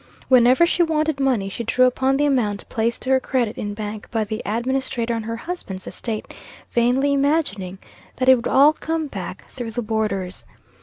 Whenever she wanted money, she drew upon the amount placed to her credit in bank by the administrator on her husband's estate, vainly imagining that it would all come back through the boarders.